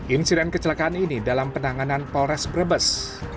insiden kecelakaan ini dalam penanganan polres brebes